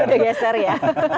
pertanyaan ini ya